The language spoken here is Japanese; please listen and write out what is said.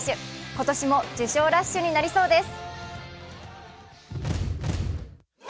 今年も受賞ラッシュになりそうです。